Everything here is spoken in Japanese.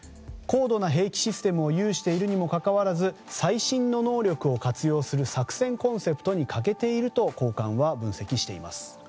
高度な兵器システムを有しているにもかかわらず最新の能力を活用する作戦コンセプトに欠けていると高官は分析しています。